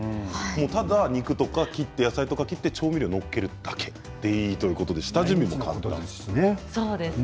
ただ肉や野菜を切って調味料を載っけるだけでいいということで下準備も簡単。